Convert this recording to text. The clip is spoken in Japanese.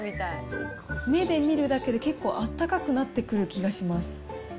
目で見るだけで結構温かくなってくる気がします。